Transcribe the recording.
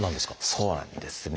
そうなんですね。